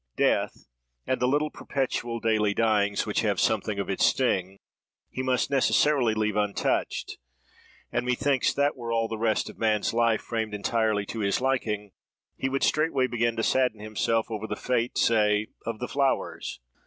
Death, and the little perpetual daily dyings, which have something of its sting, he must necessarily leave untouched. And, methinks, that were all the rest of man's life framed entirely to his liking, he would straightway begin to sadden himself, over the fate—say, of the flowers!